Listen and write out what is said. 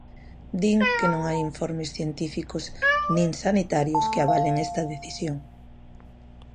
Din que non hai informes científicos nin sanitarios que avalen esta decisión.